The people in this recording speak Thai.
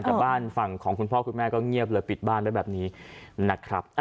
แต่บ้านฝั่งของคุณพ่อคุณแม่ก็เงียบเลยปิดบ้านไว้แบบนี้นะครับ